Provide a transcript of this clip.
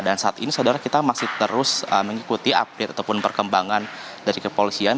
dan saat ini saudara kita masih terus mengikuti update ataupun perkembangan dari kepolisian